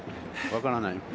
分からない。